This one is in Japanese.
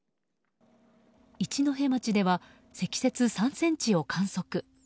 一戸町では積雪３ｃｍを観測。